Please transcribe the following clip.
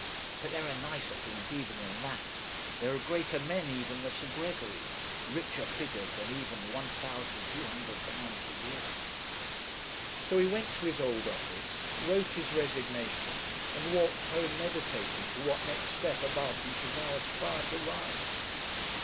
But there are nicer things even than that; there are greater men even than Sir Gregory; richer figures than even £1,200 a year!' So he went to his old office, wrote his resignation, and walked home meditating to what next step above he should now aspire to rise.